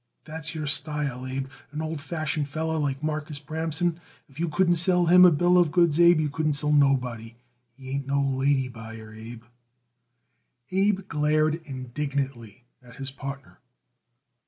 That's your style, Abe: an old fashion feller like Marcus Bramson. If you couldn't sell him a bill of goods, Abe, you couldn't sell nobody. He ain't no lady buyer, Abe." Abe glared indignantly at his partner.